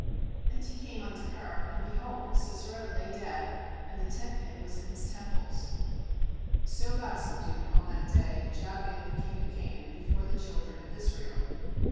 And he came unto her; and, behold, Sisera lay dead, and the tent pin was in his temples. ^So God sub dued on that day Jabm the king of Canaan before the children of Israel.